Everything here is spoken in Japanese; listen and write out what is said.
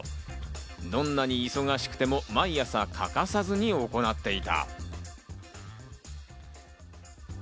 どんなに忙しくても毎朝、欠かさずに行っていた。